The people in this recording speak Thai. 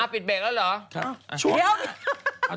ปิดเบรกแล้วเหรอ